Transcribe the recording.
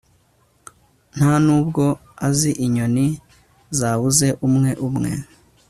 Ntanubwo azi inyoni zabuze umwe umwe